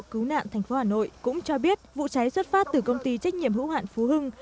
cứu nạn thành phố hà nội cũng cho biết vụ cháy xuất phát từ công ty trách nhiệm hữu hạn phú hưng